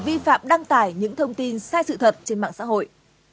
vi phạm đăng tải những thông tin sai sự thật trên mạng xã hội